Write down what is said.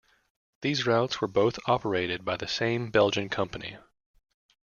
These routes were both operated by the same Belgian company.